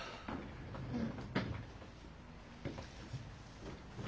うん。